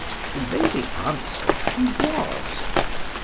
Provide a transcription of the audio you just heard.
—The lady answered, she was.